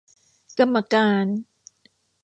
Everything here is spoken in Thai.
กรรมการ